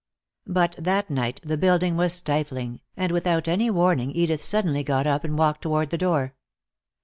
But that night the building was stifling, and without any warning Edith suddenly got up and walked toward the door.